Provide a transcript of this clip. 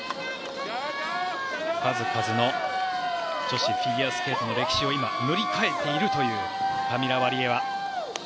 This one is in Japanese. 数々の女子フィギュアスケートの歴史を今、塗り替えているというカミラ・ワリエワ。